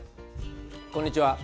こんにちは。